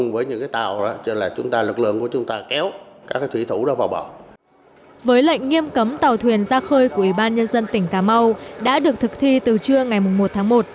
với lệnh nghiêm cấm tàu thuyền ra khơi của ủy ban nhân dân tỉnh cà mau đã được thực thi từ trưa ngày một tháng một